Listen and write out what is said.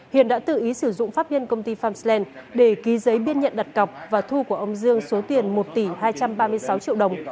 hiền đã tự ý sử dụng pháp nhân công ty farmsland để ký giấy biên nhận đặt cọc và thu của ông dương số tiền một tỷ hai trăm ba mươi sáu triệu đồng